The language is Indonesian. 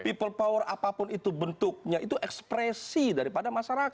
people power apapun itu bentuknya itu ekspresi daripada masyarakat